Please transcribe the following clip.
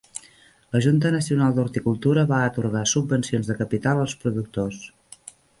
La Junta Nacional d'Horticultura va atorgar subvencions de capital als productors.